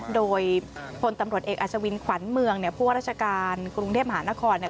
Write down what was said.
โดยพลตำรวจเอกอัศวินขวัญเมืองเนี่ยผู้ว่าราชการกรุงเทพมหานครเนี่ย